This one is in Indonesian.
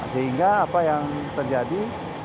sehingga apa yang terjadi